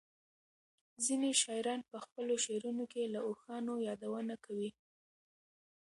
ځینې شاعران په خپلو شعرونو کې له اوښانو یادونه کوي.